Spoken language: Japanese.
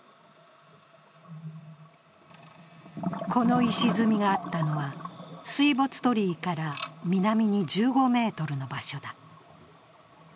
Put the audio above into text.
この石積みがあったのは水没鳥居から南に１５ｍの場所だ。